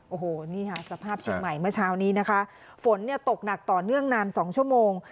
โอ้โหนี่ค่ะสภาพเชียงใหม่เมื่อเช้านี้นะคะฝนเนี่ยตกหนักต่อเนื่องนานสองชั่วโมง